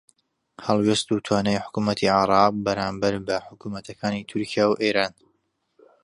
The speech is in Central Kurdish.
هەڵوێست و توانای حکوومەتی عێراق بەرامبەر بە حکوومەتەکانی تورکیا و ئێران